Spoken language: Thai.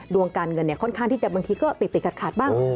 ดวงการเงินค่อนข้างที่จะบางทีก็ติดขัดบ้าง